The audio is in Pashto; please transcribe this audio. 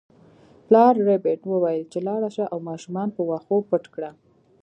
پلار ربیټ وویل چې لاړه شه او ماشومان په واښو پټ کړه